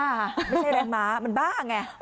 ไม่ใช่แรงม้ามันบ้าไง